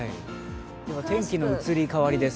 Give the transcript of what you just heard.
天気の移り変わりです。